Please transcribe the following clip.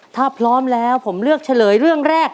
ถ้าพร้อมแล้วผมเลือกเฉลยเรื่องแรก